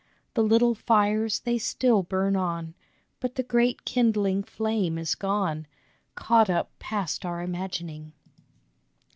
The little fires, they still burn on ; But the great kindling flame is gone, Caught up past our imagining.